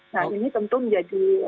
nah ini tentu menjadi